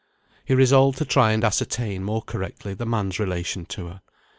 He resolved to try and ascertain more correctly the man's relation to her.